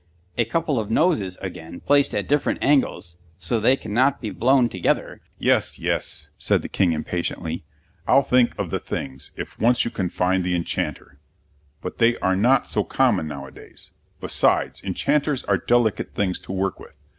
A couple of noses, again, placed at different angles, so they cannot both be blown together " "Yes, yes," said the King impatiently, "I'll think of the things, if once you can find the enchanter. But they are not so common nowadays. Besides, enchanters are delicate things to work with.